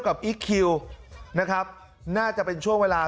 นี่นี่แหละไม่ดูรองเท้า